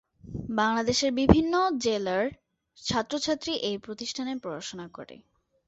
বাংলাদেশের বিভিন্ন জেলার ছাত্রছাত্রী এই প্রতিষ্ঠানে পড়াশোনা করে।